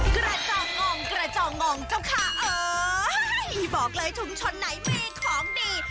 กระจองงองกระจองงองเจ้าค่ะเอ้ยบอกเลยชุมชนไหนมีของดี